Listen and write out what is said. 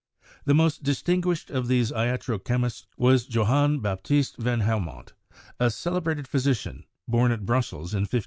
The most distin guished of these iatro chemists was Johann Baptist van Helmont, a celebrated physician, born at Brussels in 1577.